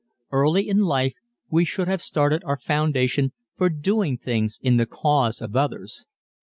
Early in life we should have started our foundation for doing things in the cause of others.